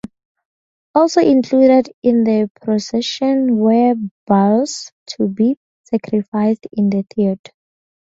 Also included in the procession were bulls to be sacrificed in the theatre.